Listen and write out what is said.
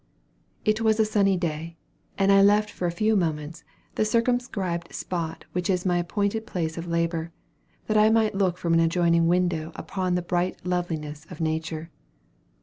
It was a sunny day, and I left for a few moments the circumscribed spot which is my appointed place of labor, that I might look from an adjoining window upon the bright loveliness of nature.